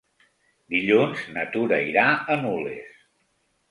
Dilluns na Tura irà a Nules.